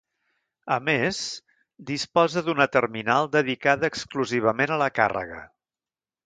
A més, disposa d'una terminal dedicada exclusivament a la càrrega.